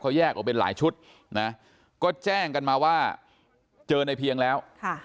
แยกออกเป็นหลายชุดนะก็แจ้งกันมาว่าเจอในเพียงแล้ว